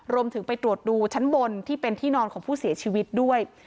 รวมไปถึงไปตรวจดูชั้นบนที่เป็นที่นอนของผู้เสียชีวิตด้วย